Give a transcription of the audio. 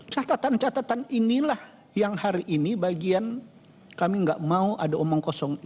catatan catatan inilah yang hari ini bagian kami nggak mau ada omong kosong